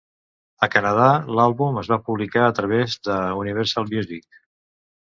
A Canadà, l'àlbum es va publicar a través de Universal Music.